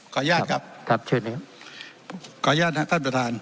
อนุญาตครับครับเชิญไหมครับขออนุญาตนะครับท่านประธาน